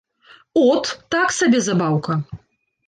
От, так сабе забаўка.